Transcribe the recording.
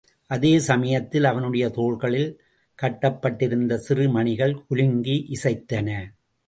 அதே சமயத்தில் அவனுடைய தோள்களில் கட்டப்பட்டிருந்த சிறு மணிகள் குலுங்கி இசைத்தன.